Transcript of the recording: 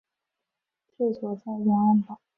治所在永安堡。